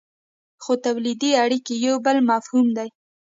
خو تولیدي اړیکې یو بل مفهوم دی.